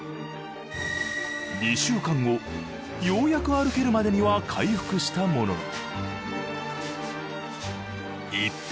２週間後ようやく歩けるまでには回復したものの一歩